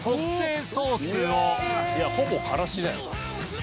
いやほぼからしじゃん。